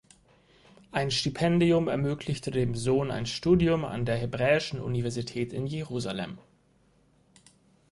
Ein Stipendium ermöglichte dem Sohn ein Studium an der Hebräischen Universität in Jerusalem.